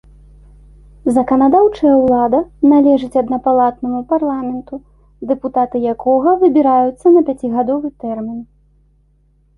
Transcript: Заканадаўчая ўлада належыць аднапалатнаму парламенту, дэпутаты якога выбіраюцца на пяцігадовы тэрмін.